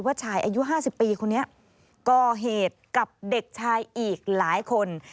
ชายอายุ๕๐ปีคนนี้ก่อเหตุกับเด็กชายอีกหลายคน